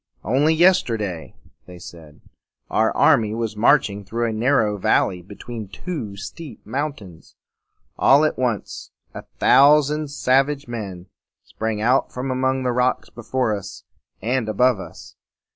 "Only yes ter day," they said, "our army was marching through a narrow valley between two steep mountains. All at once a thou sand sav age men sprang out from among the rocks before us and above us.